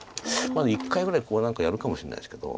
まだ１回ぐらいここ何かやるかもしれないですけど。